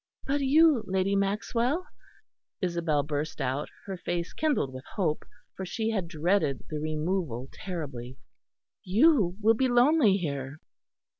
"But you, Lady Maxwell," Isabel burst out, her face kindled with hope, for she had dreaded the removal terribly, "you will be lonely here."